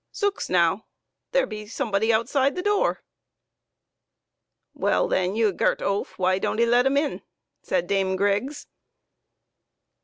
" Zooks now, there be somebody outside the door." " Well then, thou gert oaf, why don't 'ee let un in ?" said Dame Griggs.